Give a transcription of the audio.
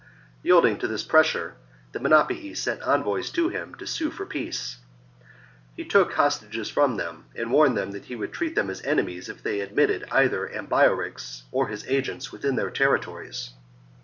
Yielding to this pressure, the Menapii sent envoys to him to sue for peace. He took hostages, from them, and warned them that he would treat them as enemies if they admitted either Ambiorix or his agents within their territories.